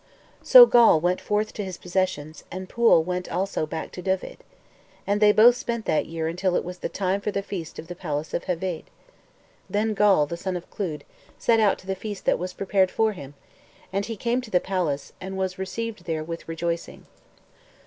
So Gawl went forth to his possessions, and Pwyll went also back to Dyved. And they both spent that year until it was the time for the feast at the palace of Heveydd. Then Gawl, the son of Clud, set out to the feast that was prepared for him; and he came to the palace, and was received there with rejoicing.